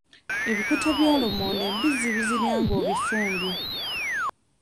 Ebikuta bya lumonde embizzi zibirya nga obifumbye.